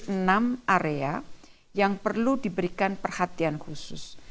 enam area yang perlu diberikan perhatian khusus